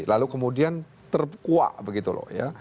lalu kemudian terkuak begitu loh ya